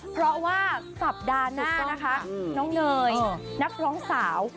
เพราะว่าสัปดาห์หนึ่งนะคะน้องเนยนักร้องสาว